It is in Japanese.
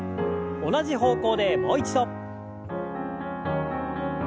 同じ方向でもう一度。